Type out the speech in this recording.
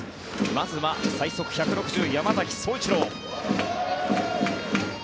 まずは最速１６０ｋｍ山崎颯一郎。